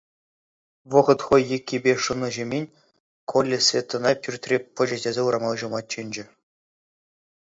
Вӑхӑт хӑй еккипе шунӑҫемӗн Коля Светӑна пӳртре пӑчӑ тесе урама уҫӑлма чӗнчӗ.